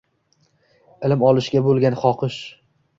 Ilm olishga bo’lgan xohish